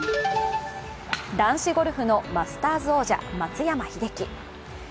男子ゴルフのマスターズ王者、松山英樹。